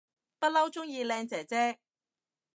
不嬲鍾意靚姐姐